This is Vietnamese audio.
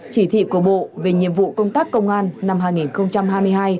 chỉ thị của bộ về nhiệm vụ công tác công an năm hai nghìn hai mươi hai